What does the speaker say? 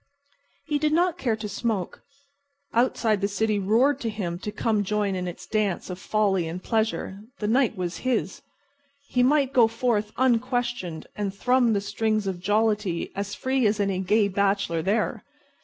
He did not care to smoke. Outside the city roared to him to come join in its dance of folly and pleasure. The night was his. He might go forth unquestioned and thrum the strings of jollity as free as any gay bachelor there.